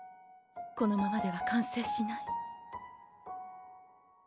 このままでは完成しない。